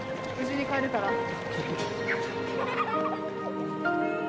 無事に帰れたら。